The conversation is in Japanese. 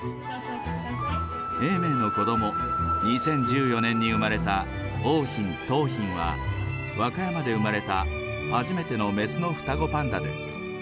永明の子ども、２０１４年に生まれた桜浜、桃浜は、和歌山で生まれた初めての雌の双子パンダです。